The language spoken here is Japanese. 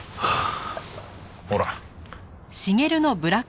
ほら。